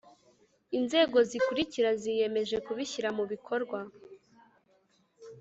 Inzego zikurikira ziyimeje kubishyira mu bikorwa